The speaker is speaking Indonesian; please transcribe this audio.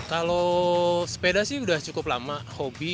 kalau sepeda sih sudah cukup lama hobi